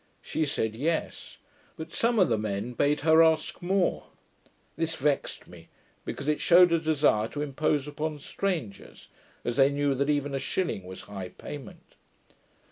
She said, 'Yes.' But some of the men bade her ask more. This vexed me; because it shewed a desire to impose upon strangers, as they knew that even a shilling was high payment.